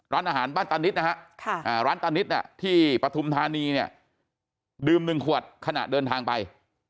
ร้านอาหารบ้านตานิดนะฮะร้านตานิดที่ปฐุมธานีเนี่ยดื่ม๑ขวดขณะเดินทางไป